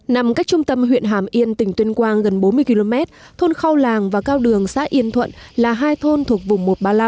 nằm cách trung tâm huyện hàm yên tỉnh tuyên quang gần bốn mươi km thôn khâu làng và cao đường xã yên thuận là hai thôn thuộc vùng một trăm ba mươi năm